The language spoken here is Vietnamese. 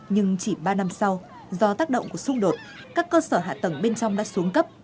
nhưng chỉ ba năm sau do tác động của xung đột các cơ sở hạ tầng bên trong đã xuống cấp